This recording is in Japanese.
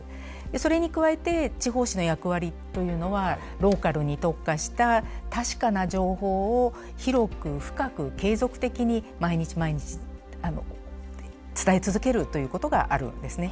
それに加えて地方紙の役割というのはローカルに特化した確かな情報を広く深く継続的に毎日毎日伝え続けるということがあるんですね。